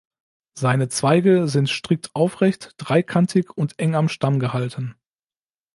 Seine Zweige sind strikt aufrecht, dreikantig und eng am Stamm gehalten.